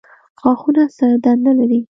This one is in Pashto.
غاښونه څه دنده لري؟